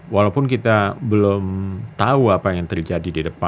walaupun kita belum tahu apa yang terjadi di depan